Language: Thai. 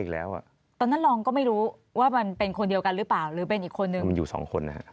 แล้วก็ยิง